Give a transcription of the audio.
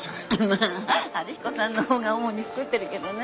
まあ春彦さんの方が主に作ってるけどね。